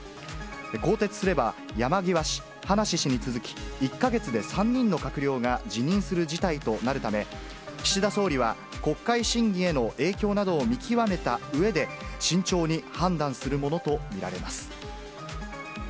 更迭すれば、山際氏、葉梨氏に続き、１か月で３人の閣僚が辞任する事態となるため、岸田総理は、国会審議への影響などを見極めたうえで、慎重に判断するものと見られます。